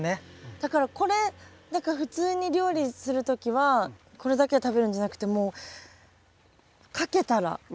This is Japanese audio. だからこれ何か普通に料理する時はこれだけで食べるんじゃなくてもうかけたら。